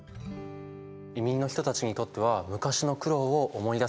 移民の人たちにとっては昔の苦労を思い出す味なんだね。